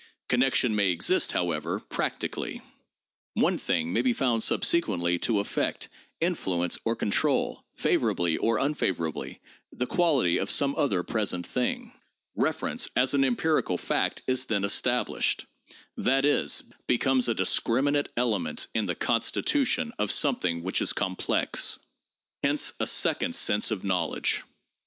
Connection may exist, however, practically : one thing may be found subsequently to affect, influence or control, favorably or unfavorably, the quality of some other pres ent thing. Reference as an empirical fact is then established— that is, becomes a discriminate element in the constitution of something which is complex. Hence a second sense of knowledge.